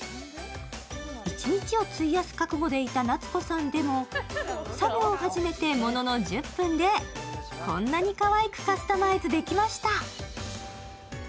一日を費やす覚悟でいた夏子さんでも作業を始めてものの１０分でこんなにかわいくカスタマイズできました。